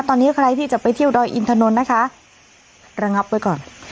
ตอนนี้ใครที่จะไปเที่ยวดอยอินทนนท์นะคะระงับไว้ก่อน